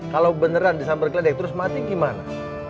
kalau beneran disamber geledek terus mati gimana